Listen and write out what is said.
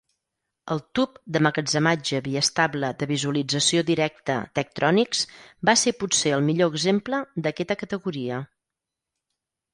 El tub d'emmagatzematge biestable de visualització directa Tektronix va ser potser el millor exemple d'aquesta categoria.